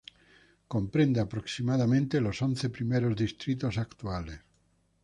Comprende aproximadamente los once primeros distritos actuales.